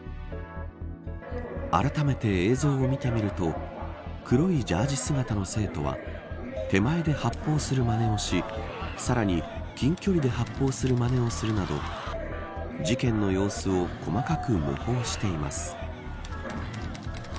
あらためて映像を見てみると黒いジャージ姿の生徒は手前で発砲するまねをしさらに近距離で発砲するまねをするなど事件の様子を細かく模倣しています。